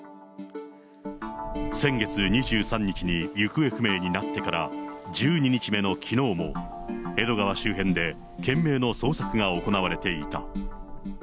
先月２３日に行方不明になってから１２日目のきのうも、江戸川周辺で懸命の捜索が行われていた。